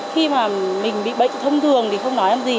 khi mà mình bị bệnh thông thường thì không nói em gì